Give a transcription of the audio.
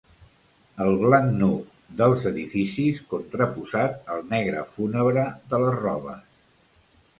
El blanc nu dels edificis contraposat al negre fúnebre de les robes.